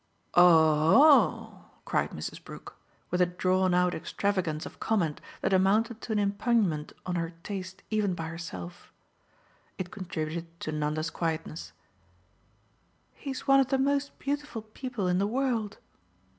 "O oh!" cried Mrs. Brook, with a drawn out extravagance of comment that amounted to an impugnment of her taste even by herself. It contributed to Nanda's quietness. "He's one of the most beautiful people in the world."